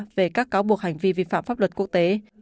về các cáo buộc hành vi vi phạm pháp luật quốc tế